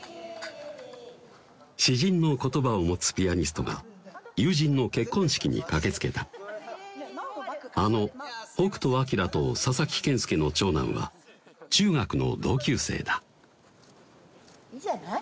詩人の言葉を持つピアニストが友人の結婚式に駆けつけたあの北斗晶と佐々木健介の長男は中学の同級生だいいじゃない？